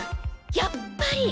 やっぱり！